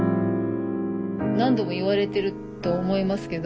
何度も言われてると思いますけど